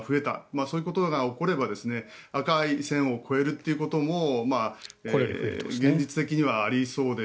そういうことが起これば赤い線を超えるということも現実的にはありそうです